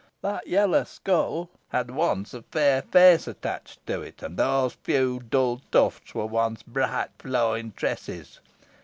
That yellow skull had once a fair face attached to it, and those few dull tufts were once bright flowing tresses.